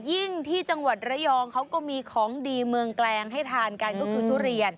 ยิ่งที่จังหวัดระยองเขาก็มีของดีเมืองแกลงให้ทานกันก็คือทุเรียน